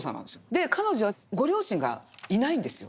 で彼女はご両親がいないんですよ。